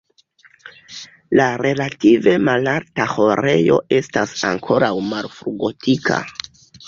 La relative malalta ĥorejo estas ankoraŭ malfrugotika.